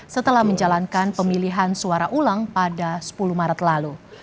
setelah menjalankan pemilihan suara ulang pada sepuluh maret lalu